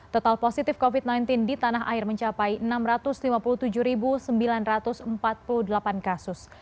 total positif covid sembilan belas di tanah air mencapai enam ratus lima puluh tujuh sembilan ratus empat puluh delapan kasus